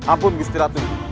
ampun gusti ratu